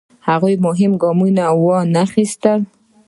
هغوی مهم ګام وانخیست.